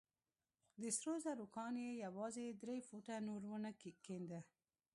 د سرو زرو کان يې يوازې درې فوټه نور ونه کينده.